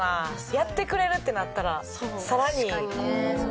やってくれるってなったらさらにこう。